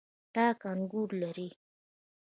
تاک انګور لري.